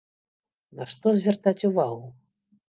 На што звяртаць увагу?